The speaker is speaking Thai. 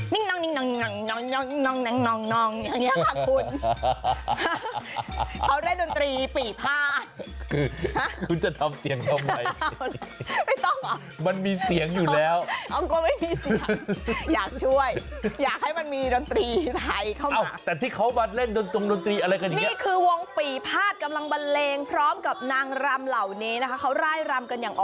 นิ้งนองนิ้งนองนิ้งนองนิ้งนองนิ้งนองนิ้งนองนิ้งนองนิ้งนองนิ้งนองนิ้งนองนิ้งนองนิ้งนองนิ้งนองนิ้งนองนิ้งนองนิ้งนองนิ้งนองนิ้งนองนิ้งนองนิ้งนองนิ้งนองนิ้งนองนิ้งนองนิ้งนองนิ้งนองนิ้งนองนิ้งนองนิ้งนองนิ้งนองนิ้งนองนิ้งนองนิ้ง